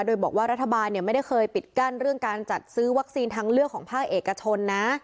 โดยบอกว่ารัฐบาลไม่ได้เคยปิดกั้นเรื่องการจัดซื้อวัคซีนทางเลือกของภาคเอกชนนะ